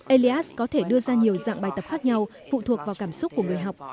elias có thể đưa ra nhiều dạng bài tập khác nhau phụ thuộc vào cảm xúc của người học